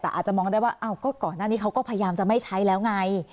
แต่อาจจะมองได้ว่าก่อนหน้านี้เขาก็พยายามจะไม่ใช้แล้วไง